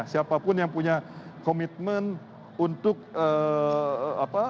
siapapun yang punya komitmen untuk apa